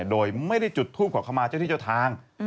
โดยไม่ได้จุดทูปขอเข้ามาเจ้าที่เจ้าทาง